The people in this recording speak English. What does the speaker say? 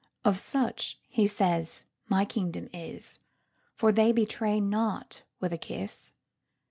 "Of such," he says, "my kingdom is, For they betray not with a kiss."